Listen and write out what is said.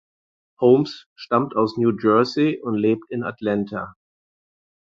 Holmes stammt aus New Jersey und lebt in Atlanta.